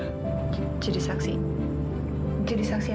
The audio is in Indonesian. aku mau mereka semua jadi saksi olah